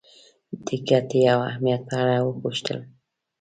د ګټې او اهمیت په اړه وپوښتل.